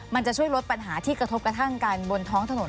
มันจะช่วยลดปัญหาที่กระทบกระทั่งกันบนท้องถนน